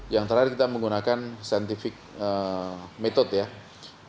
yang terakhir kita menggunakan metode sains